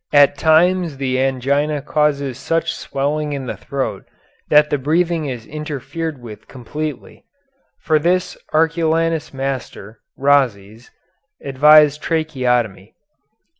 At times the angina causes such swelling in the throat that the breathing is interfered with completely. For this Arculanus' master, Rhazes, advised tracheotomy.